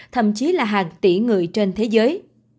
thậm chí là hàng tỷ người trên thế giới